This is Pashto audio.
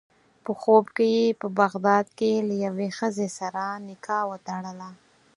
په خوب کې یې په بغداد کې له یوې ښځې سره نکاح وتړله.